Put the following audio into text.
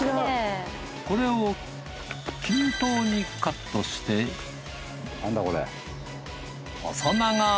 これを均等にカットして何だこれ？